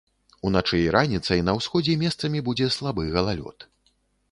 Уначы і раніцай на ўсходзе месцамі будзе слабы галалёд.